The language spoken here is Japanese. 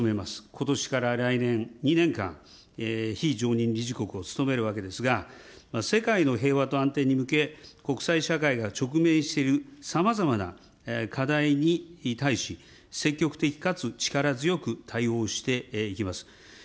ことしから来年２年間、非常任理事国を務めるわけですが、世界の平和と安定に向け、国際社会が直面しているさまざまな課題に対し、積極的かつ力強く対応していきます。